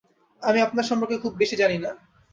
আমি আপনার সম্পর্কে খুব বেশি জানি না।